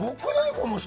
この人。